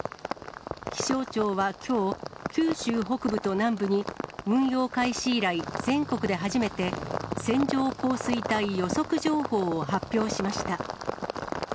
気象庁はきょう、九州北部と南部に、運用開始以来、全国で初めて、線状降水帯予測情報を発表しました。